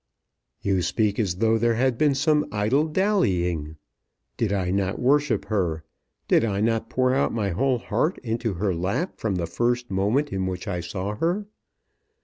"You speak as though there had been some idle dallying. Did I not worship her? Did I not pour out my whole heart into her lap from the first moment in which I saw her?